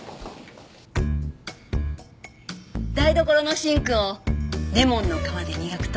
台所のシンクをレモンの皮で磨くと。